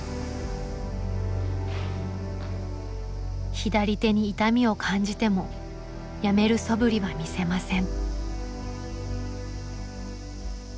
左手に痛みを感じてもやめるそぶりは見せません。